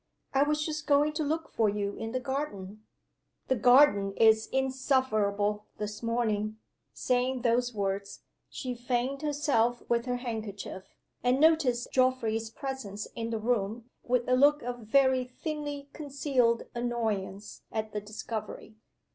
I was just going to look for you in the garden." "The garden is insufferable, this morning." Saying those words, she fanned herself with her handkerchief, and noticed Geoffrey's presence in the room with a look of very thinly concealed annoyance at the discovery.